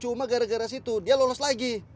cuma gara gara situ dia lolos lagi